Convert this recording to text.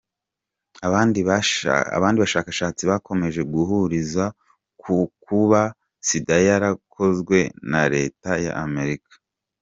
Abandi bashakashatsi bakomeje guhuriza kukuba Sida yarakozwe na Leta ya Amerika.